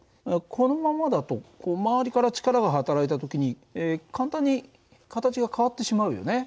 このままだと周りから力が働いた時に簡単に形が変わってしまうよね。